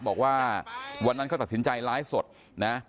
บอกว่าวันนั้นเขาตัดสินใจไลฟ์สดนะ